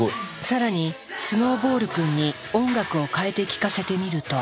更にスノーボールくんに音楽を変えて聞かせてみると。